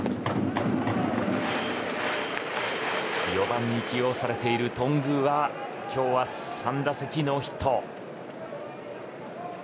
４番に起用されている頓宮は今日は３打席ノーヒット。